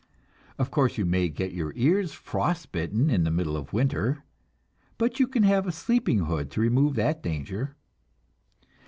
Of course, you may get your ears frostbitten in the middle of winter, but you can have a sleeping hood to remove that danger.